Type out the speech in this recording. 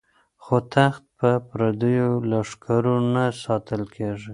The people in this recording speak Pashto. خو تخت په پردیو لښکرو نه ساتل کیږي.